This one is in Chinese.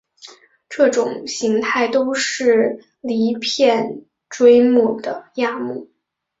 这种形态都是离片锥目的亚目。